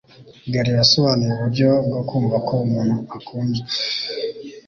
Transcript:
Gary yasobanuye uburyo bwo kumva ko umuntu akunzwe